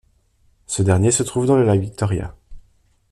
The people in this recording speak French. Ce dernier se trouve dans le lac Victoria.